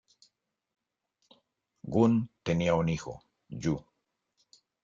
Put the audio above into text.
Gun tenía un hijo Yu.